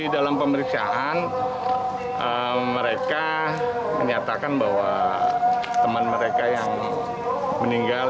dalam pemeriksaan mereka menyatakan bahwa teman mereka yang meninggal